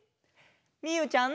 みゆうちゃん。